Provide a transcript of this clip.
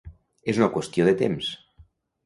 És una qüestió de temps.